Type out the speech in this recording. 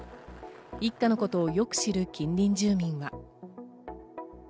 一家のことをよく知る近隣住民は。